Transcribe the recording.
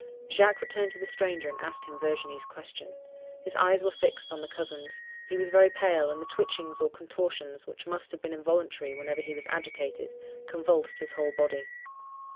"Jacques returned to the stranger, and asked him Virginie's question. His eyes were fixed on the cousins; he was very pale, and the twitchings or contortions, which must have been involuntary whenever he was agitated, convulsed his whole body.